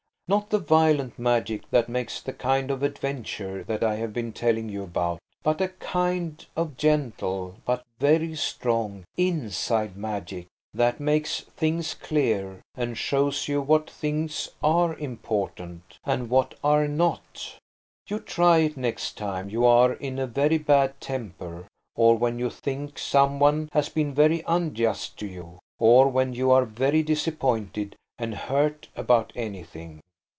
Not the violent magic that makes the kind of adventure that I have been telling you about, but a kind of gentle but very strong inside magic, that makes things clear and shows you what things are important, and what are not. You try it next time you are in a very bad temper or when you think some one has been very unjust to you, or when you are very disappointed and hurt about anything.